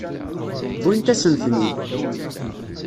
Wwint-asen-ten-id.